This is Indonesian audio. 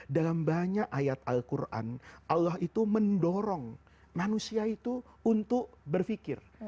dalam banyak ayat al quran allah itu mendorong manusia itu untuk berpikir